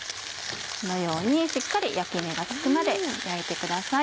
このようにしっかり焼き目がつくまで焼いてください。